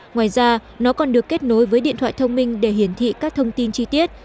ngoài ra nó còn được kết nối với điện thoại thông minh để hiển thị các thông tin chi tiết